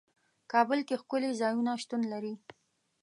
کابل کې ښکلي ځايونه شتون لري.